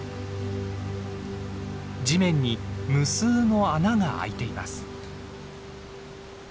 地面に無数の穴があいています。